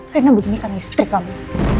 renna begini karena istri kamu